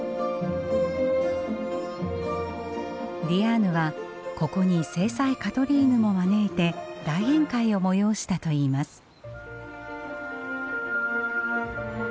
ディアーヌはここに正妻カトリーヌも招いて大宴会を催したといいます。